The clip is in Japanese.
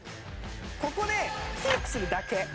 ここでキープするだけ。